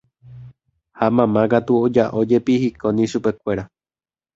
ha mamá katu oja'ójepi hikóni chupekuéra